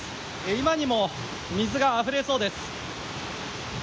今にも水があふれそうです。